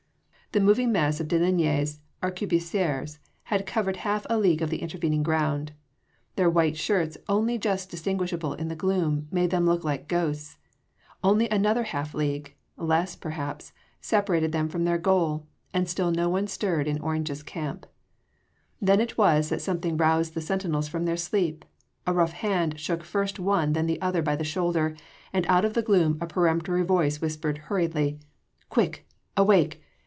The moving mass of de Linea’s arquebusiers had covered half a league of the intervening ground; their white shirts only just distinguishable in the gloom made them look like ghosts; only another half league less perhaps separated them from their goal, and still no one stirred in Orange’s camp. Then it was that something roused the sentinels from their sleep. A rough hand shook first one then the others by the shoulder, and out of the gloom a peremptory voice whispered hurriedly: "Quick! awake!